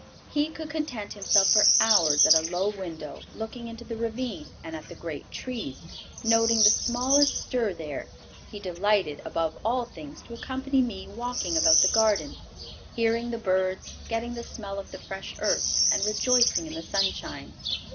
He could content himself for hours at a low window, looking into the ravine and at the great trees, noting the smallest stir there; he delighted, above all things, to accompany me walking about the garden, hearing the birds, getting the smell of the fresh earth, and rejoicing in the sunshine.